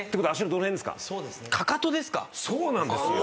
そうなんですよ！